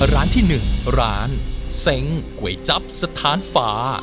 ร้านที่๑ร้านเซ้งก๋วยจั๊บสถานฟ้า